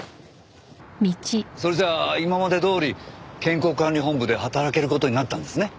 それじゃあ今までどおり健康管理本部で働ける事になったんですね。